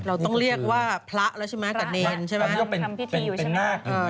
เราต้องเรียกว่าพระแล้วใช่ไหมกับเนียนทำพิธีอยู่ใช่ไหม